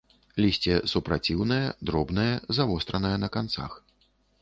Лісце супраціўнае, дробнае, завостранае на канцах.